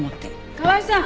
河合さん！